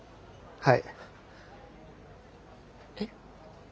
はい。